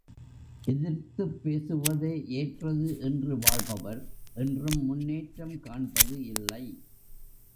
எதிர்த்துப் பேசுவதே ஏற்றது என்று வாழ்பவர் என்றும் முன்னேற்றம் காண்பது இல்லை.